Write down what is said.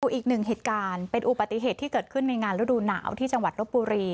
อีกหนึ่งเหตุการณ์เป็นอุปติเหตุที่เกิดขึ้นในงานฤดูหนาวที่จังหวัดลบบุรี